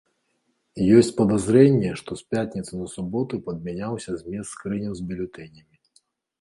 Ёсць падазрэнні, што з пятніцы на суботу падмяняўся змест скрыняў з бюлетэнямі.